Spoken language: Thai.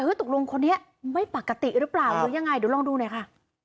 ตกลงคนนี้ไม่ปกติหรือเปล่าหรือยังไงเดี๋ยวลองดูหน่อยค่ะ